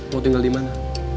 mau tinggal dimana